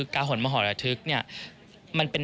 กาหนมหรตฤกษ์เป็นแนวที่แปลก